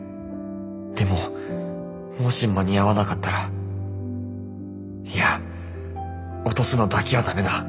でももし間に合わなかったらいや落とすのだけはダメだ。